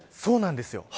そうなんです。